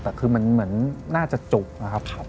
แต่คือมันน่าจะจุกนะครับ